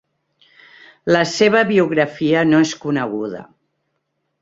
La seva biografia no és coneguda.